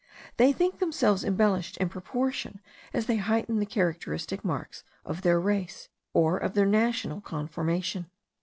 They think themselves embellished in proportion as they heighten the characteristic marks of their race, or of their national conformation.